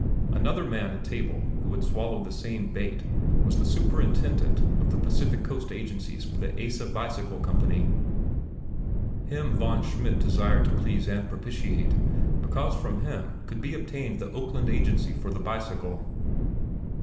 Another man at table who had swallowed the same bait was the superintendent of the Pacific Coast agencies for the Asa Bicycle Company. Him Von Schmidt desired to please and propitiate because from him could be obtained the Oakland agency for the bicycle.